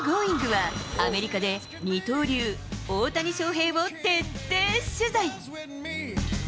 は、アメリカで二刀流、大谷翔平を徹底取材。